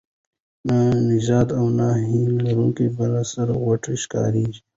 نه نیژدې او نه هم لیري بله سره غوټۍ ښکاریږي